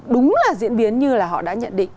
đúng là diễn biến như là họ đã nhận định